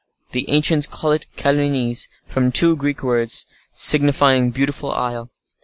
The ancients called it Kalonese, from two Greek words, signifying beautiful isle.